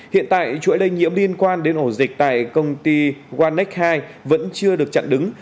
hiện tại chuỗi lây nhiễm liên quan đến ổ dịch tại công ty wanec hai vẫn chưa được chặn đứng